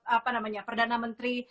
apa namanya perdana menteri